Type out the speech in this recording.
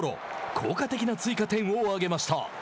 効果的な追加点を挙げました。